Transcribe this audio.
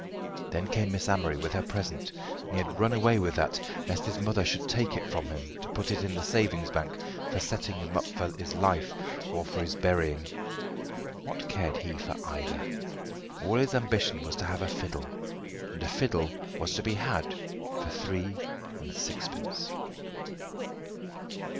Then came Miss Amory with her present, and he had run away with that, lest his mother should take it from him to put in the savings bank for setting him up in life or for his burying. What cared he for either? All his ambition was to have a fiddle, and a fiddle was to be had for three and sixpence.